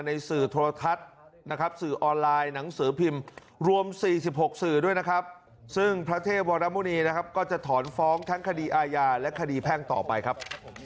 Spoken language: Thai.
และควบควบควายเยอะเพิ่มสัญญาไม่ได้เกี่ยวกับท่าน